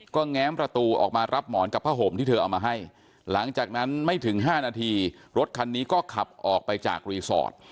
ก็แง้มประตูออกมารับหมอนกับผ้าห่มที่เธอเอามาให้หลังจากนั้นไม่ถึง๕นาทีรถคันนี้ก็ขับออกไปจากรีสอร์ท